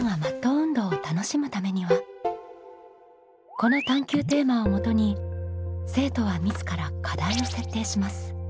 この探究テーマをもとに生徒は自ら課題を設定します。